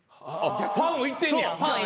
ファンをいってんねや。